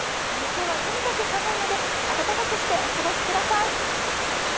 今日はとにかく寒いので、暖かくしてお過ごしください。